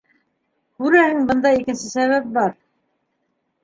Күрәһең, бында икенсе сәбәп бар.